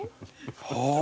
はあ！